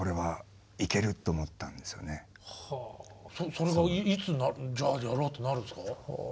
それがいつじゃあやろうってなるんですか？